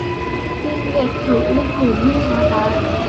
Tim nghẹt thở linh hồn như hóa đá